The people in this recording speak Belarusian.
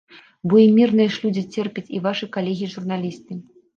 Бо і мірныя ж людзі церпяць і вашы калегі-журналісты.